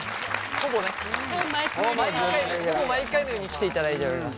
ほぼね毎回ほぼ毎回のように来ていただいております。